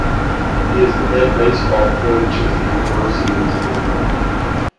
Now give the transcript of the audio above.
He is the head baseball coach at the University of Toledo.